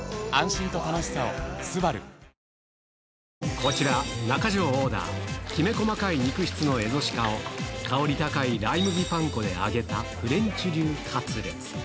こちら、中条オーダー、きめ細かい肉質の蝦夷鹿を、香り高いライ麦パン粉で揚げたフレンチ流カツレツ。